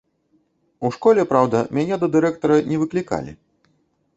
У школе, праўда, мяне да дырэктара не выклікалі.